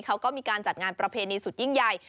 เขาก็มีการจัดงานประเพณีสุดยิ่งใหญ่